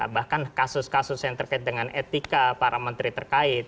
bahkan kasus kasus yang terkait dengan etika para menteri terkait